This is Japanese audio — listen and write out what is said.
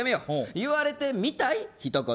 言われてみたいひと言。